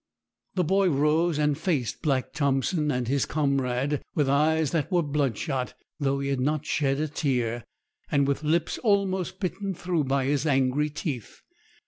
The boy rose, and faced Black Thompson and his comrade with eyes that were bloodshot, though he had not shed a tear, and with lips almost bitten through by his angry teeth.